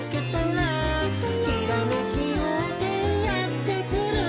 「ひらめきようせいやってくる」